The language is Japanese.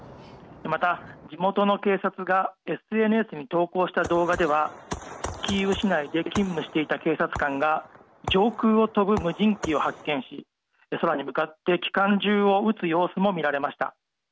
また、地元の警察がＳＮＳに投稿した動画ではキーウ市内で勤務していた警察官が上空を飛ぶ無人機を発見し空に向かって機関銃を撃つ様子も見られました。